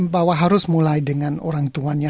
bahwa harus mulai dengan orang tuanya